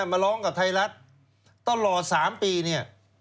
มาร้องกับไทยรัฐตลอด๓ปีเนี่ย